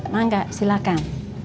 mak enggak silakan